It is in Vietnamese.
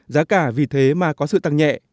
giá cả vì thế mà có sự tăng nhẹ